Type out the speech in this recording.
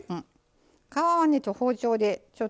皮はね包丁でちょっと。